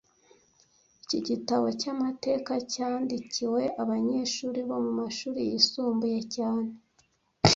Iki gitabo cyamateka cyandikiwe abanyeshuri bo mumashuri yisumbuye cyane